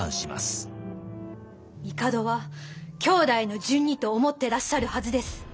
帝は兄弟の順にと思ってらっしゃるはずです。